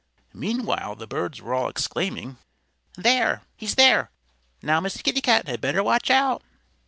Meanwhile the birds were all exclaiming, "There! He's here. Now Miss Kitty Cat had better watch out."